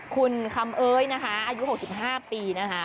คุณคำเอ้ยนะคะอายุ๖๕ปีนะคะ